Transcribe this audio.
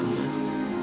sampai jumpa lagi